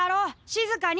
静かに。